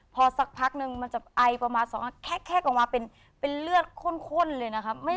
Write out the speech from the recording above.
พอสักพักนึงมันจะไอประมาณแคกออกมาเป็นเลือดข้นเลยนะครับ